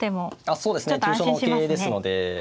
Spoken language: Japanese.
そうですね急所の桂ですので。